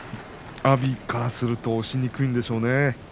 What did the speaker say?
阿炎からすると押しにくいんでしょうね。